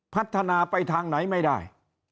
พัฒนาไปทางไหนไม่ได้